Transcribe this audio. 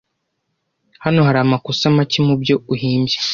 Hano hari amakosa make mubyo uhimbye